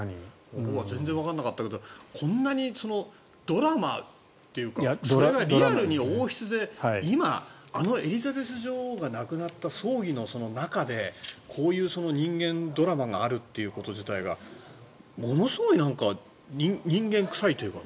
僕は全然わからなかったけどこんなにドラマというかそれがリアルに王室で今、あのエリザベス女王が亡くなった葬儀の中でこういう人間ドラマがあるっていうこと自体がものすごい人間臭いというか。